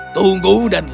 tunggu dan lakukan